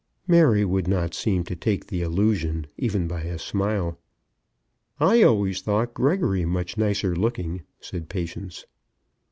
Mary would not seem to take the allusion, even by a smile. "I always thought Gregory much nicer looking," said Patience.